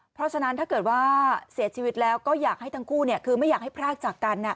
เพราะฉะนั้นถ้าเกิดว่าเสียชีวิตแล้วก็อยากให้ทั้งคู่คือไม่อยากให้พรากจากกัน